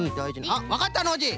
あっわかったノージー。